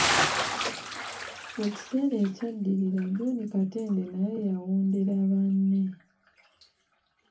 Mu kiseera ekyaddirira John Katende naye yawondera banne.